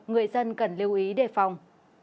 người dân cần lưu ý đề phòng